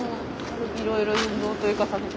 いろいろ運動というかさせて。